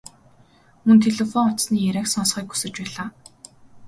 Мөн телефон утасны яриаг сонсохыг хүсэж байлаа.